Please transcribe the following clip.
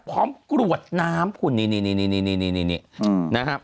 กรวดน้ำคุณนี่นะครับ